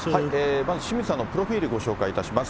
まず清水さんのプロフィールご紹介します。